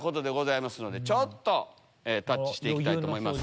ちょっとタッチして行きたいと思います。